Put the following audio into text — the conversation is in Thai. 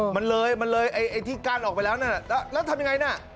มันเลยที่กั้นออกไปแล้วแล้วทำอย่างไร